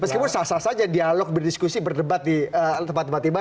meskipun salah salah saja dialog berdiskusi berdebat di tempat tempat ibadah